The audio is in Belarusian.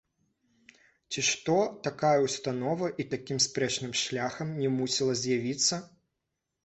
Ці што такая ўстанова і такім спрэчным шляхам не мусіла з'явіцца?